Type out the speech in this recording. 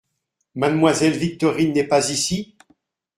Mademoiselle Victorine n’est pas ici ?